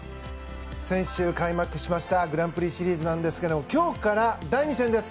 先週開幕しましたグランプリシリーズですが今日から第２戦です。